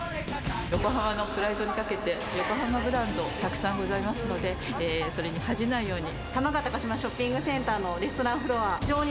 横浜のプライドにかけて、横浜ブランドたくさんございますので、それに恥じないように。